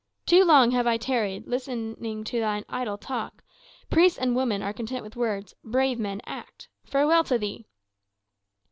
"Too long have I tarried, listening to thine idle talk. Priests and women are content with words; brave men act. Farewell to thee!"